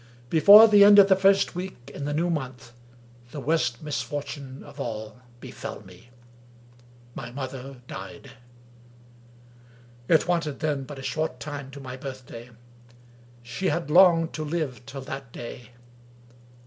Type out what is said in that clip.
Be fore the end of the first week in the new month, the worst misfortune of all befell me — ^my mother died. It wanted then but a short time to my birthday. She had longed to live till that day.